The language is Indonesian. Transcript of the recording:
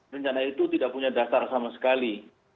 rencana itu tidak punya dasar sama sekali